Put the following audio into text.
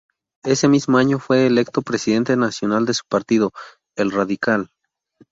Ese mismo año fue electo Presidente nacional de su partido, el Radical.